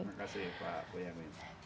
terima kasih pak boyamin